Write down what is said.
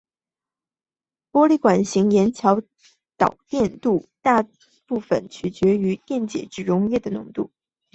玻璃管型盐桥导电度大部分取决于电解质溶液的浓度。